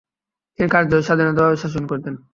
তিনি কার্যত স্বাধীনভাবে শাসন করতেন।